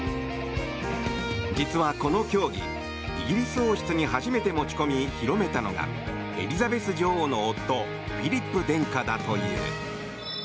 実はこの競技、イギリス王室に初めて持ち込み、広めたのがエリザベス女王の夫フィリップ殿下だという。